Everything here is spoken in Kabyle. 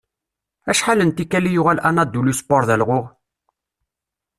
Acḥal n tikal i yuɣal Anadoluspor d alɣuɣ?